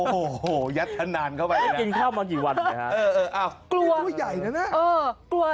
โอโหยัดทานนานเข้าไปเลยไม่กินข้าวมากี่วันเนี่ยฮะ